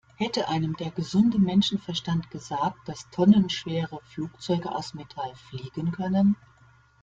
Hätte einem der gesunde Menschenverstand gesagt, dass tonnenschwere Flugzeuge aus Metall fliegen können?